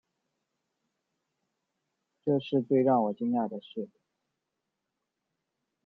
这是最让我惊讶的事